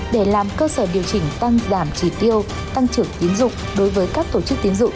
để làm cơ sở điều chỉnh tăng giảm chỉ tiêu tăng trưởng tín dụng đối với các tổ chức tín dụng